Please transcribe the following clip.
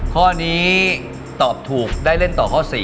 ข้อนี้ตอบถูกได้เล่นต่อข้อ๔